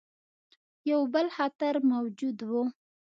یو بل خطر موجود وو.